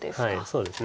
そうですね。